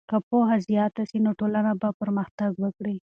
که پوهه زیاته سي نو ټولنه به پرمختګ وکړي.